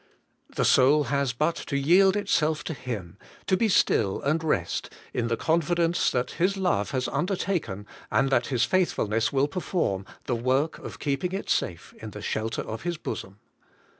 The soul has but to yield itself to Him, to be still and rest in the confidence that His love has undertaken, and that His faithfulness will perform, the work of keeping it safe in the shelter of His bosom.